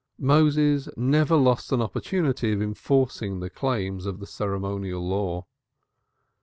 Moses never lost an opportunity of enforcing the claims of the ceremonial law.